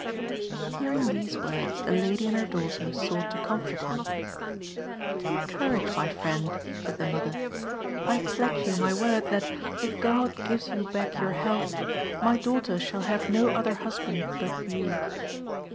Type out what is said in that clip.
Hearing these words, the lady and her daughter sought to comfort him. "Take courage, my friend," said the mother. " I pledge you my word that, if God gives you back your health, my daughter shall have no other husband but you.